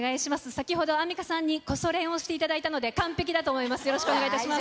先ほどアンミカさんにこそ練をしていただいたので、完璧だと思います、よろしくお願いいたします。